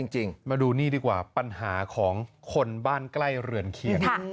จริงมาดูนี่ดีกว่าปัญหาของคนบ้านใกล้เรือนเคียง